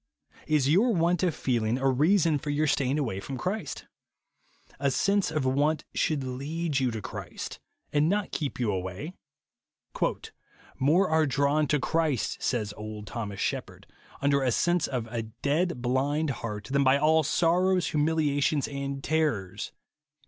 Is your luant of feeling a reason for your staying aiuay from Christ ? A sense of want should lead you to Christ, and not INSENSIBILITY. 155 keep you away. " More are drawn to Clirist," says old Thomas Shepherd, "under a sense of a dead, blind heart, than by all sorrows, humiliations, and terrors."